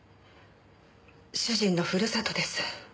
主人のふるさとです。